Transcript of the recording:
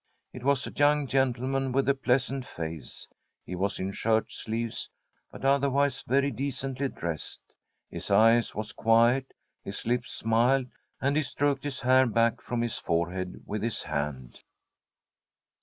It was a young gentleman with a pleasant face. He was in shirt sleeves, but otherwise very decently dressed. His eye was quiet, his lips smiled, and he stroked his hair back from his forehead with his hand.